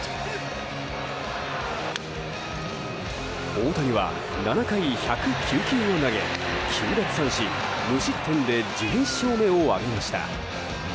大谷は７回１０９球を投げ９奪三振無失点で１１勝目を挙げました。